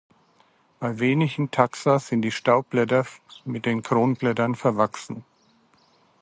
Bei wenigen Taxa sind die Staubblätter mit den Kronblättern verwachsen.